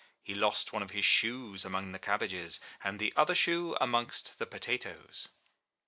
He lost one of his shoes among the cabbages, and the other shoe amongst the potatoes.